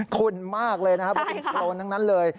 คุณมากเลยนะครับโทนทั้งนั้นเลย